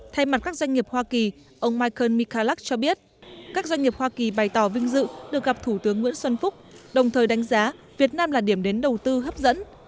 thay mặt các doanh nghiệp hoa kỳ ông michael mikalac cho biết các doanh nghiệp hoa kỳ bày tỏ vinh dự được gặp thủ tướng nguyễn xuân phúc đồng thời đánh giá việt nam là điểm đến đầu tư hấp dẫn